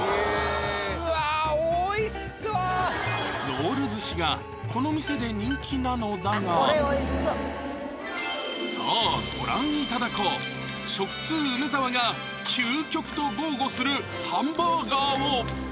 ロール寿司がこの店で人気なのだがこれ美味しそうさあご覧いただこう食通・梅沢が究極と豪語するハンバーガーを！